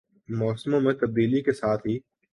موسموں میں تبدیلی کے ساتھ ہی